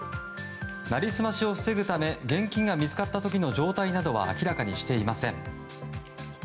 なりすましを防ぐため現金が見つかった時の状態などは明らかにしていません。